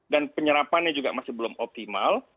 dan penyerapannya juga masih belum optimal